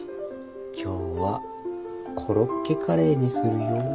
今日はコロッケカレーにするよ。